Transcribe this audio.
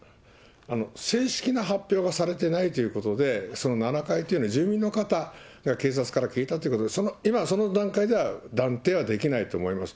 正式な発表はされてないということで、７階というのは住民の方が警察から聞いたということで、今、その段階では断定はできないと思います。